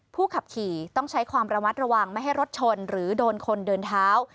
ผู้ขับขี่ต้องใช้ความระมัดระวังไม่ให้รถชนหรือโดนคนเดินเท้า